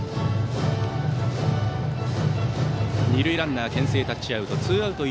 二塁ランナーけん制タッチアウト。